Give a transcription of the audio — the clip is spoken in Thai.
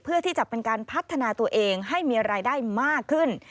เพื่อที่จะเป็นการพัฒนาตัวเองให้มีรายได้มากขึ้น